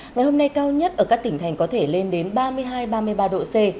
ngày hôm nay cao nhất ở các tỉnh thành có thể lên đến ba mươi hai ba mươi ba độ c